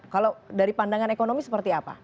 kalau dari pandangan ekonomi seperti apa